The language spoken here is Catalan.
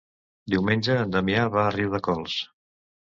Diumenge en Damià va a Riudecols.